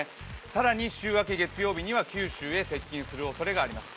更に週明け月曜日には九州へ接近するおそれがあります。